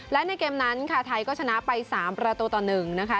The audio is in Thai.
และในเกมนั้นค่ะไทยก็ชนะไป๓ประตูต่อ๑นะคะ